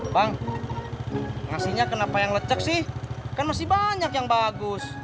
bang ngasihnya kenapa yang lecek sih kan masih banyak yang bagus